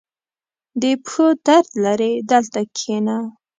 • د پښو درد لرې؟ دلته کښېنه.